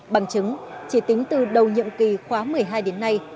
bằng chứng chỉ tính từ đầu nhiệm kỳ khóa một mươi hai đến nay